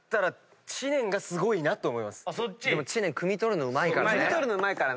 でも知念くみ取るのうまいからね。